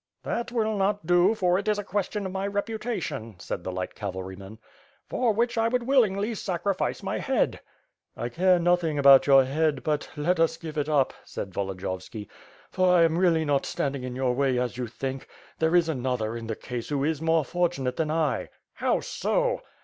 "That will not do, for it is a question of my reputation,'* said the light cavalryman, "for which I would willingly sacri fice my head." "1 care nothing about your head, but let us give it up," said Volodiyovski, "for I am really not standing in your way as you think; there is another in the case who is more fortunate than I." "How so?"